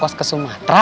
kokos ke sumatera